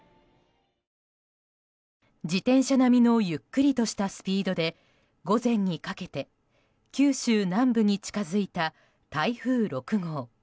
自転車並みのゆっくりとしたスピードで午前にかけて九州南部に近づいた台風６号。